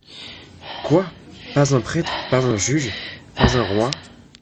Quoi ! pas un prêtre, pas un juge, pas un roi